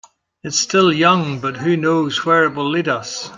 It's still young, but who knows where it will lead us.